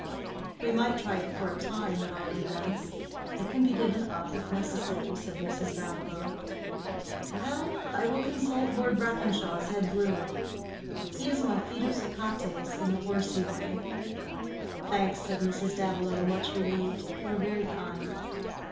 "We might try it for a time, at all events. It can be given up, if necessary," said Mrs. Davilow. "Well, I will consult Lord Brackenshaw's head groom. He is my fidus Achates in the horsey way." "Thanks," said Mrs. Davilow, much relieved. "You are very kind."